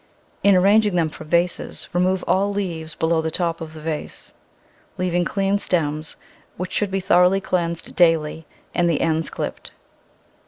In arranging them for vases remove all leaves below the top of the vase, leaving clean stems, which should be thoroughly cleansed daily, and the ends clipped.